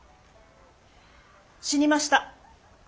死にました。